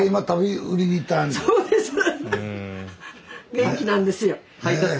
元気なんですよ。